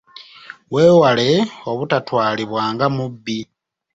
Weewale obutatwalibwa nga mubbi.